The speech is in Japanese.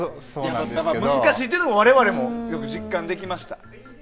難しいというのは我々も実感できました。